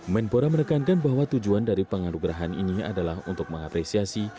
menpora menekankan bahwa tujuan dari penganugerahan ini adalah untuk mengapresiasi